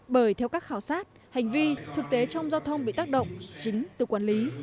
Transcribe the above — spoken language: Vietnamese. bởi theo các khảo sát hành vi thực tế trong giao thông bị tác động chính từ quản lý